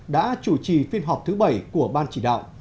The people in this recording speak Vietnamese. đã chủ trì phiên họp thứ bảy của ban chỉ đạo